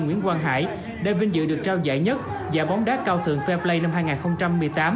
nguyễn quang hải đã vinh dự được trao giải nhất giải bóng đá cao thượng fair play năm hai nghìn một mươi tám